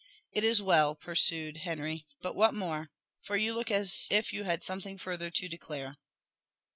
"It is well," pursued Henry; "but what more? for you look as if you had something further to declare."